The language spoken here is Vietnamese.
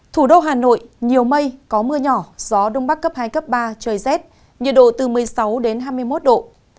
thủ đô hà nội nhiều mây có mưa nhỏ gió đông bắc cấp hai cấp ba trời rét nhiệt độ từ một mươi sáu đến hai mươi một độ